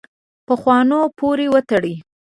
پخوانو پورې وتړي.